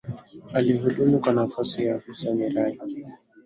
Alihudumu kwa nafasi ya Afisa Miradi